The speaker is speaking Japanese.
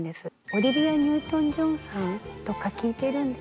「オリビア・ニュートン・ジョンさんとか聴いてるんです」